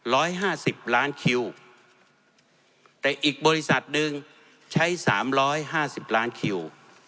ร้อยห้าสิบล้านคิวแต่อีกบริษัทหนึ่งใช้สามร้อยห้าสิบล้านคิว